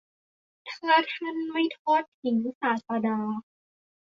ถ้าท่านไม่ทอดทิ้งศาสดา